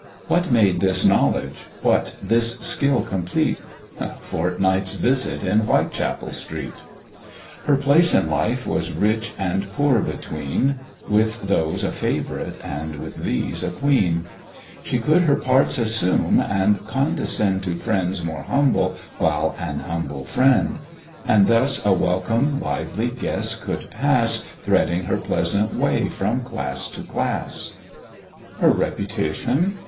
What made this knowledge, what this skill complete? A fortnight's visit in Whitechapel Street. Her place in life was rich and poor between, With those a favourite, and with these a queen; She could her parts assume, and condescend To friends more humble while an humble friend; And thus a welcome, lively guest could pass, Threading her pleasant way from class to class. "Her reputation?"